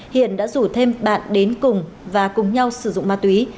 hiện đã rủ thêm bạn đến cùng và cùng nhau sử dụng ma túy